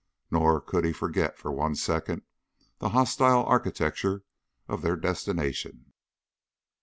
Nor could he forget for one second the hostile architecture of their destination.